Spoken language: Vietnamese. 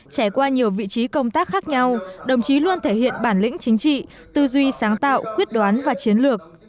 trải qua nhiều vị trí công tác khác nhau đồng chí luôn thể hiện bản lĩnh chính trị tư duy sáng tạo quyết đoán và chiến lược